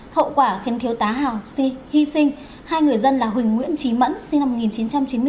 hậu quả khiến thiếu tá hào sinh hy sinh hai người dân là huỳnh nguyễn trí mẫn sinh năm một nghìn chín trăm chín mươi bốn